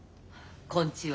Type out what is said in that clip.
こんちは。